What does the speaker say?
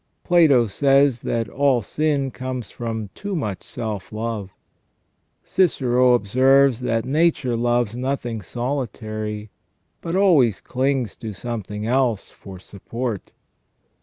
Plato says, that "all sin comes from too much self love ".f Cicero observes, that " Nature loves nothing solitary, but always clings to something else for support".